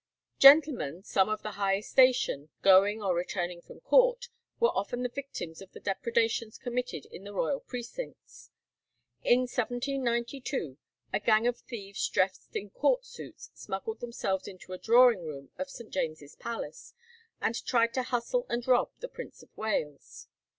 Gentlemen, some of the highest station, going or returning from court, were often the victims of the depredations committed in the royal precincts. In 1792 a gang of thieves dressed in court suits smuggled themselves into a drawing room of St. James's Palace, and tried to hustle and rob the Prince of Wales.